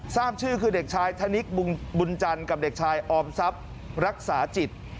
ทราบชื่อคือเด็กชายธนิกบุญจันทร์กับเด็กชายออมทรัพย์รักษาจิต